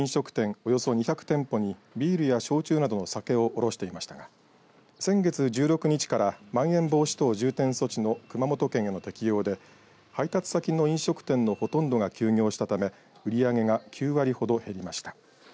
およそ２００店舗にビールや焼酎などの酒を卸していましたが先月１６日からまん延防止等重点措置の熊本県への適用で配達先の飲食店のほとんどが休業したため、売り上げが９割ほど減りました。